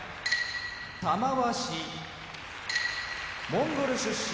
玉鷲モンゴル出身